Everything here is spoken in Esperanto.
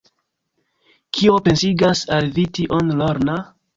Kio pensigas al vi tion, Lorna?